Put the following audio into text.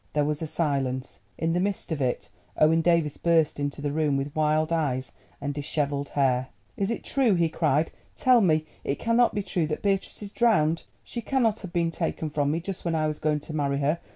There was a silence. In the midst of it, Owen Davies burst into the room with wild eyes and dishevelled hair. "Is it true?" he cried, "tell me—it cannot be true that Beatrice is drowned. She cannot have been taken from me just when I was going to marry her.